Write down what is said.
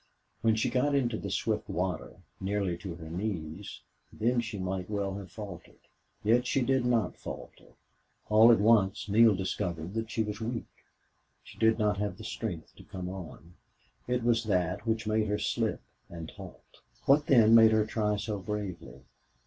When she got into the swift water, nearly to her knees, then she might well have faltered. Yet she did not falter. All at once Neale discovered that she was weak. She did not have the strength to come on. It was that which made her slip and halt. What then made her try so bravely?